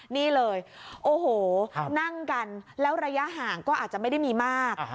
นี่เลยโอ้โหนั่งกันแล้วระยะห่างก็อาจจะไม่ได้มีมาก